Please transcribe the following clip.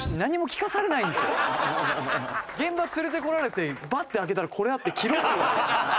現場連れてこられてバッて開けたらこれあって「着ろ」って言われた。